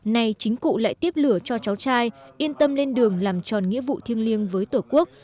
nay chính cụ lại tiếp lửa cho cháu trai yên tâm lên đường làm tròn nghĩa vụ thiêng liêng với tổ quốc